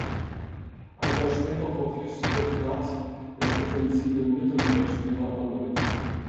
Ein Jahr später verpflichtete Perth den offensiven Mittelfeldspieler erneut.